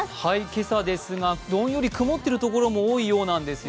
今朝ですが、どんより曇っているところも多いようなんです。